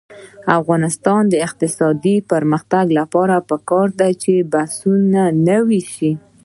د افغانستان د اقتصادي پرمختګ لپاره پکار ده چې بسونه نوي شي.